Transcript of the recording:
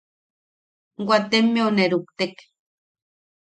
Waatemmeu ne ruktek.